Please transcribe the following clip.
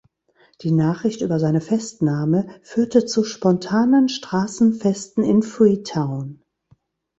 Die Nachricht über seine Festnahme führte zu spontanen Straßenfesten in Freetown.